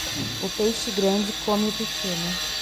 O peixe grande come o pequeno.